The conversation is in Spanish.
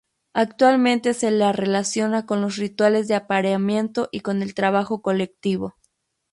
Actualmente se la relaciona con los rituales de apareamiento y con el trabajo colectivo.